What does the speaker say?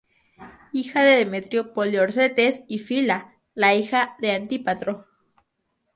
Hija de Demetrio Poliorcetes y Fila, la hija de Antípatro.